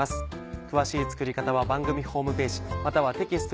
詳しい作り方は番組ホームページまたはテキスト